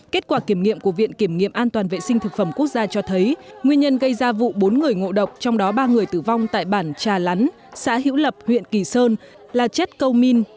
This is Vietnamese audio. kết quả kiểm nghiệm của viện kiểm nghiệm an toàn vệ sinh thực phẩm quốc gia cho thấy nguyên nhân gây ra vụ bốn người ngộ độc trong đó ba người tử vong tại bản trà lán xã hữu lập huyện kỳ sơn là chết câu min